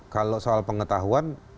kalau soal pengetahuan